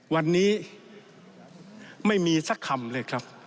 วันนี้ไม่มีสักคำเลยครับ